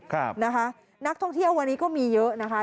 ครับนะคะนักท่องเที่ยววันนี้ก็มีเยอะนะคะ